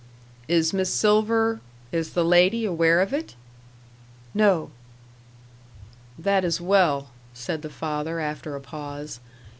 "Is Miss Silver is the lady aware of it?" "No." "That is well," said the father, after a pause.